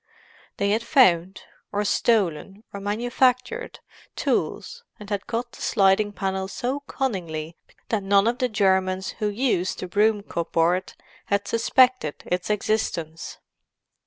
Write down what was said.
They had found, or stolen, or manufactured, tools, and had cut the sliding panel so cunningly that none of the Germans who used the broom cupboard had suspected its existence.